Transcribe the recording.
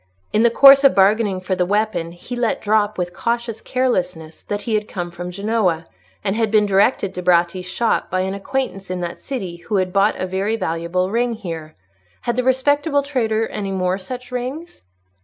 In the course of bargaining for the weapon, he let drop, with cautious carelessness, that he came from Genoa, and had been directed to Bratti's shop by an acquaintance in that city who had bought a very valuable ring here. Had the respectable trader any more such rings?